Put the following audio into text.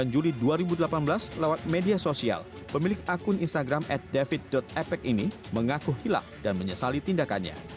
dua puluh juli dua ribu delapan belas lewat media sosial pemilik akun instagram at david epec ini mengaku hilang dan menyesali tindakannya